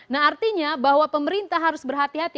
nah artinya bahwa pemerintah harus berhati hati